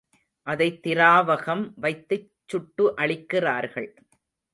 அதைத் திராவகம் வைத்துச் சுட்டு அழிக்கிறார்கள்.